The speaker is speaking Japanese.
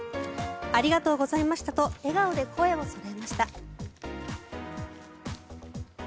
ありがとうございましたと笑顔で声をそろえました。